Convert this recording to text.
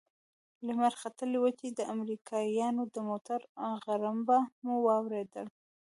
لمر ختلى و چې د امريکايانو د موټرو غړمبه مو واورېد.